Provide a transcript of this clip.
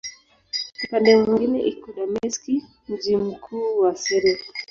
Upande mwingine iko Dameski, mji mkuu wa Syria.